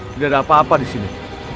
tidak ada apa apa di sini